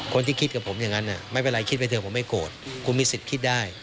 คนที่คิดกับผมอย่างนั้นไม่เป็นไรคิดไปเถอะผมไม่โกรธคุณมีสิทธิ์คิดได้